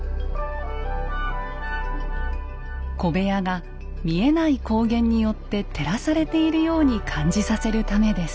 小部屋が見えない光源によって照らされているように感じさせるためです。